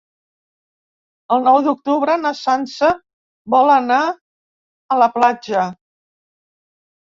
El nou d'octubre na Sança vol anar a la platja.